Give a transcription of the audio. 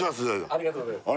ありがとうございます